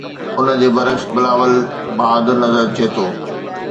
ان جي برعڪس بلاول بهادر نظر اچي ٿو.